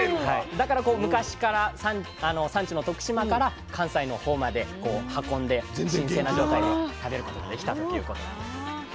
だから昔から産地の徳島から関西のほうまでこう運んで新鮮な状態の食べることができたということなんです。